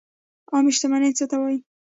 عامه شتمني څه ته وایي؟